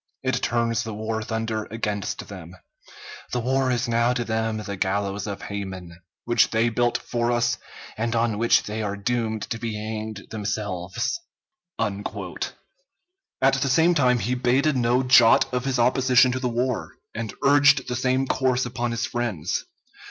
It turns the war thunder against them. The war is now to them the gallows of Haman, which they built for us, and on which they are doomed to be hanged themselves." [Sidenote: J.G. Holland, "Life of Lincoln," p. 118.] At the same time he bated no jot of his opposition to the war, and urged the same course upon his friends.